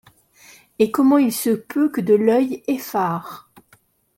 Et comment il se peut que de l’oeil effare